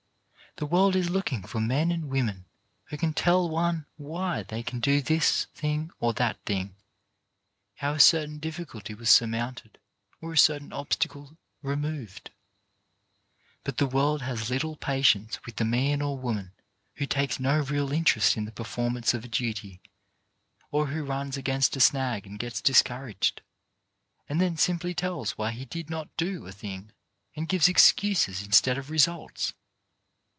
The world is looking for men and women who can tell one why they can do this thing or that thing, how a certain difficulty was surmounted or a certain obstacle removed. But the world has little patience with the man or woman who takes no real interest in the performance of a duty, or who runs against a snag and gets discouraged, and then simply tells why he did not do a thing, and gives excuses instead of results.